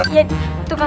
ya itu kan